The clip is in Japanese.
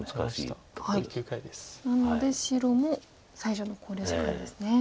なので白も最初の考慮時間ですね。